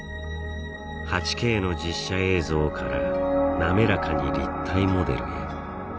８Ｋの実写映像から滑らかに立体モデルへ。